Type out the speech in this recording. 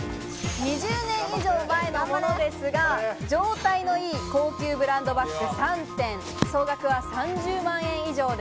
２０年以上前のものですが、状態の良い高級ブランドバッグ３点、総額は３０万円以上。